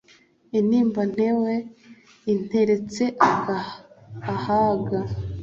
intimba ntewe interetse ahaga